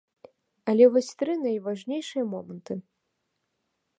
Але вось тры найважнейшыя моманты.